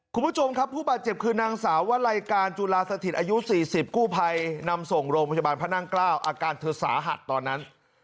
คุณผู้ชมครับผู้บาดเจ็บคือนางสาววลัยการจุลาสถิตอายุ๔๐กู้ภัยนำส่งโรงพยาบาลพระนั่งเกล้าอาการเธอสาหัสตอนนั้น